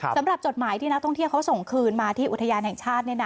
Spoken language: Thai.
จดหมายที่นักท่องเที่ยวเขาส่งคืนมาที่อุทยานแห่งชาติ